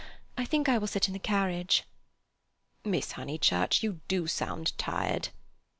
I think I will sit in the carriage." "Miss Honeychurch, you do sound tired."